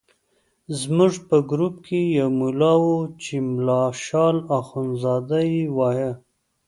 زموږ په ګروپ کې یو ملا وو چې ملا شال اخندزاده یې وایه.